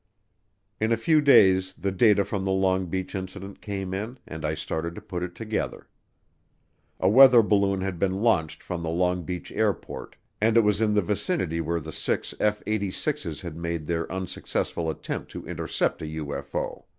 In a few days the data from the Long Beach Incident came in and I started to put it together. A weather balloon had been launched from the Long Beach Airport, and it was in the vicinity where the six F 86's had made their unsuccessful attempt to intercept a UFO.